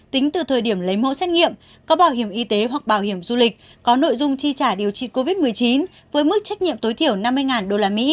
tính từ thời điểm lấy mẫu xét nghiệm có bảo hiểm y tế hoặc bảo hiểm du lịch có nội dung chi trả điều trị covid một mươi chín với mức trách nhiệm tối thiểu năm mươi usd